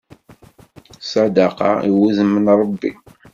Ṣṣadaqa, i wudem n Ṛebbi.